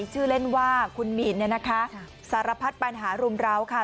ชื่อเล่นว่าคุณหมีนสารพัดปัญหารุมราวค่ะ